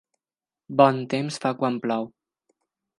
Bon temps fa quan plou.